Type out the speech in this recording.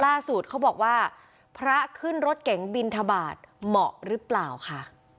เขาบอกว่าพระขึ้นรถเก๋งบินทบาทเหมาะหรือเปล่าค่ะ